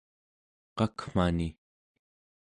qakmani